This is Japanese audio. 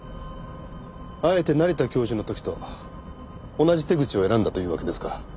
あえて成田教授の時と同じ手口を選んだというわけですか。